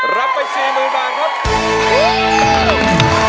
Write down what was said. รับไป๔๐๐๐บาทครับ